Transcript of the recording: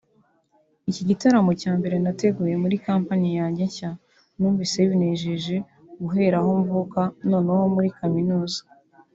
iki gitaramo cya mbere nateguye muri kompanyi yanjye nshya numvise binejeje guhera aho mvuka noneho muri kaminuza